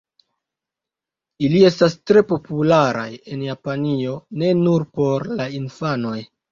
Ili estas tre popularaj en Japanio, ne nur por la infanoj.